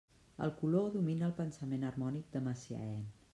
El color domina el pensament harmònic de Messiaen.